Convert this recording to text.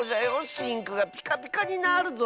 シンクがピカピカになるぞ。